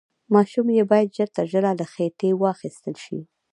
ماشوم يې بايد ژر تر ژره له خېټې واخيستل شي.